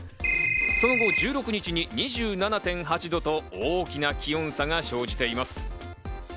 その後、１６日に２７．８度と大きな気温差が生じています。